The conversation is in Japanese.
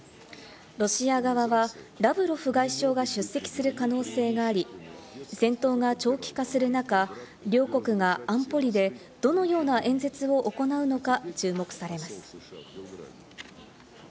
ロシア側はラブロフ外相が出席する可能性があり、戦闘が長期化する中、両国が安保理でどのような演説を行うのか注目されます。